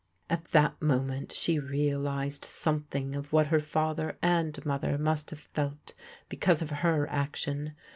At that moment she realized something of what her father and mother must have felt because of her action.